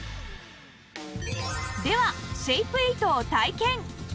ではシェイプエイトを体験！